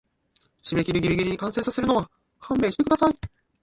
締切ギリギリに完成させるの勘弁してください